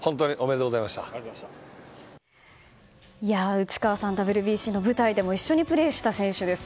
内川さん、ＷＢＣの舞台でも一緒にプレーした選手です。